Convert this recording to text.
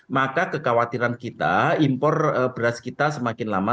maka kekhawatiran kita impor beras kita semakin lama